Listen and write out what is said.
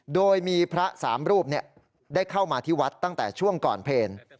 โดยมีพระสามรูปได้เข้ามาที่วัดตั้งแต่ช่วงก่อนเพลง